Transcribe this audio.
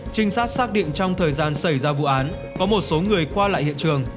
trinh sát xác định trong thời gian xảy ra vụ án có một số người qua lại hiện trường